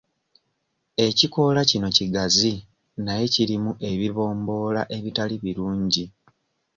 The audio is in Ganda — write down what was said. Ekikoola kino kigazi naye kirimu ebibomboola ebitali birungi.